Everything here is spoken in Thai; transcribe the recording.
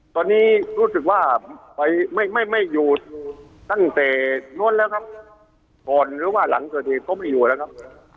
ตอนนี้รู้สึกว่าไปไม่ไม่อยู่ตั้งแต่โน้นแล้วครับก่อนหรือว่าหลังเกิดเหตุเขาไม่อยู่แล้วครับ